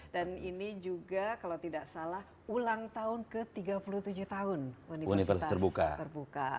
dan ini juga kalau tidak salah ulang tahun ke tiga puluh tujuh tahun universitas terbuka